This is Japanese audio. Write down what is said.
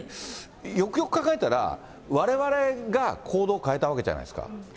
よくよく考えたら、われわれが行動を変えたわけじゃないですか。